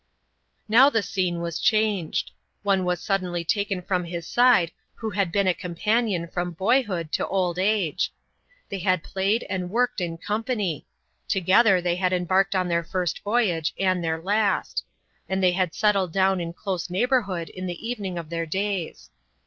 Now the scene was changed. One was suddenly taken from his side who had been a companion from boyhood to old age. They had played and worked in company; together they had embarked on their first voyage, and their last; and they had settled down in close neighborhood in the evening of their days.